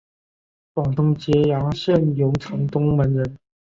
广东揭阳县榕城东门人。